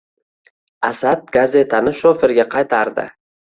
Asad gazetani shoferga qaytardi: